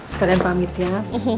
sekalian pamit ya